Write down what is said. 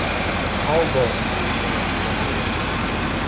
— Һаубыҙ, — тип кенә сикләнде ул.